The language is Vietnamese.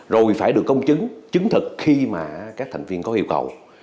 rồi phải được công chứng chứng thực khi mà các thành viên có yêu cầu